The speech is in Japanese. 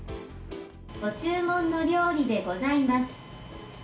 ご注文の料理でございます。